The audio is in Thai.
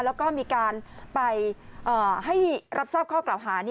แล้วก็มีการไปให้รับทราบข้อกล่าวหา